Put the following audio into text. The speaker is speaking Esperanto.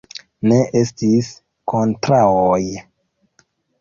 Ne estis kontraŭoj.